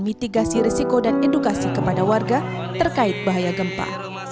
mitigasi risiko dan edukasi kepada warga terkait bahaya gempa